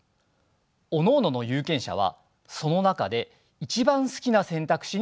おのおのの有権者はその中で一番好きな選択肢に投票する。